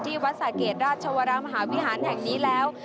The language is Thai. วัดสะเกดราชวรมหาวิหารแห่งนี้แล้ว